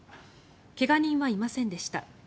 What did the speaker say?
怪我人はいませんでした。